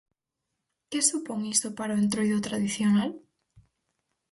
Que supón iso para o entroido tradicional?